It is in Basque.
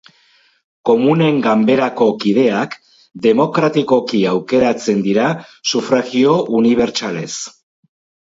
Komunen Ganberako kideak demokratikoki aukeratzen dira sufragio unibertsalez.